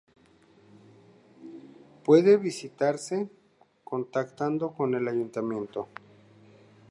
Puede visitarse contactando con el Ayuntamiento.